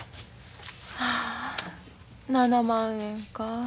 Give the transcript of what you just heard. はあ７万円か。